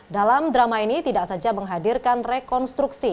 dalam drama ini tidak saja menghadirkan rekonstruksi